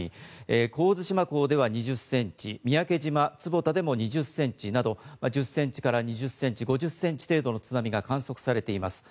神津島港では２０センチ三宅島坪田でも２０センチなど１０センチから２０センチ５０センチ程度の津波が観測されています。